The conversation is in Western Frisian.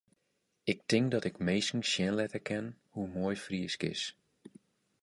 Ik tink dat ik minsken sjen litte kin hoe moai Frysk is.